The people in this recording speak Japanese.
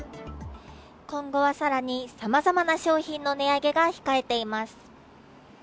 今後は更にさまざまな商品の値上げが控えています。